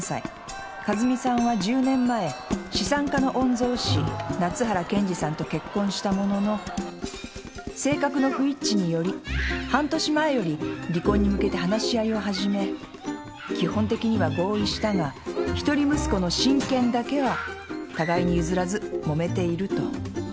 和美さんは１０年前資産家の御曹子夏原健児さんと結婚したものの性格の不一致により半年前より離婚に向けて話し合いを始め基本的には合意したが一人息子の親権だけは互いに譲らずもめている」と。